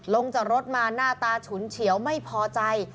ลงจากรถมาหน้าตาฉุนเฉียวไม่พอใจ